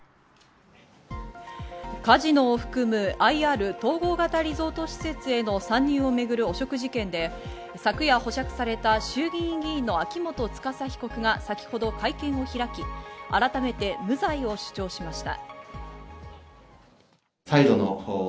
カジノを含むＩＲ＝統合型リゾート施設への参入を巡る汚職事件で、昨夜保釈された衆議院議員の秋元司被告が先ほど会見を開き、改めて無罪を主張しました。